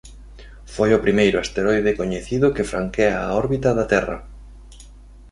Foi o primeiro asteroide coñecido que franquea a órbita da Terra.